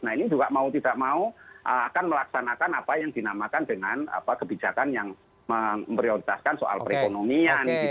nah ini juga mau tidak mau akan melaksanakan apa yang dinamakan dengan kebijakan yang memprioritaskan soal perekonomian